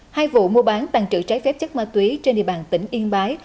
hai vụ mua bán tàn trữ trái phép chất ma túy trên địa bàn tỉnh yên bái